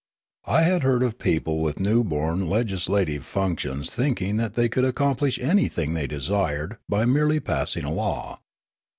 I had heard of people with new born legislative func tions thinking that they could accomplish anything they desired b}^ merely passing a law.